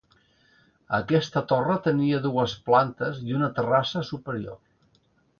Aquesta torre tenia dues plantes i una terrassa superior.